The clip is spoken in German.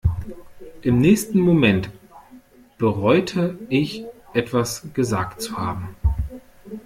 Im nächsten Moment bereute ich, etwas gesagt zu haben.